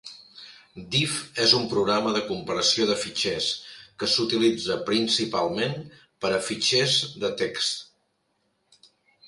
Diff és un programa de comparació de fitxers, que s'utilitza principalment per a fitxers de text.